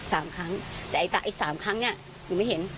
สามครั้งแต่ไอ้ตะไอ้สามครั้งเนี้ยหนูไม่เห็น